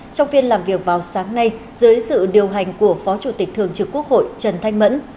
trong phiên làm việc vào sáng nay dưới sự điều hành của phó chủ tịch thường trực quốc hội trần thanh mẫn